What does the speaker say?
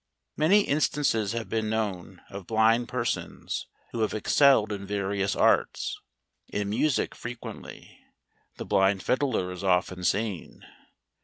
Many instances have been known, of blind persons, who have excelled in various arts; in music frequently: the blind fiddler is often seen.